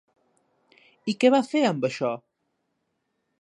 I què va fer amb això?